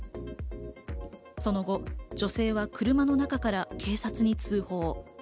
その後、女性は車の中から警察に通報。